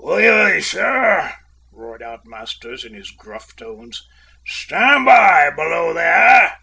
"Aye, aye, sir," roared out Masters in his gruff tones. "Stand by, below there!"